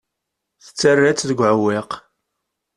Tettarra-tt deg uɛewwiq.